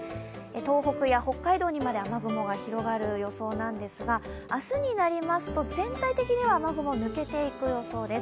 東北や北海道にまで雨雲が広がる予想なんですが、明日になりますと全体的には雨雲抜けていく予想です。